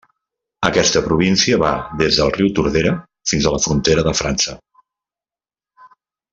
Aquesta província va des del riu Tordera fins a la frontera de França.